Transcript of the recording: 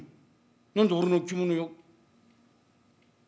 何で俺の着物や」。